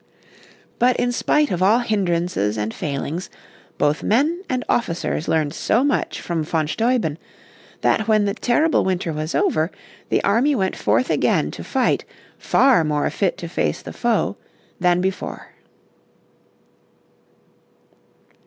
But in spite of all hindrances and failings, both men and officers learned so much from von Steuben that when the terrible winter was over the army went forth again to fight far more fit to face the foe than before.